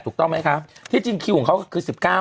ถูกต้องไหมครับที่จริงคิวของเขาก็คือสิบเก้า